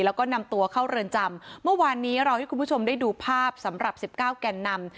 แล้วก็นำตัวเข้าเรือนจำเมื่อวานนี้เราให้คุณผู้ชมได้ดูภาพสำหรับสิบเก้าแก่นนำ